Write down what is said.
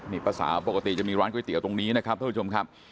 นี่ป้าสาวปกติจะมีร้านก๋วยเตี๋ยวตรงนี้นะครับท่านผู้ชมครับ